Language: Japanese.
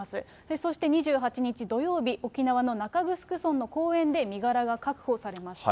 そして２８日土曜日、沖縄の中城村の公園で身柄が確保されました。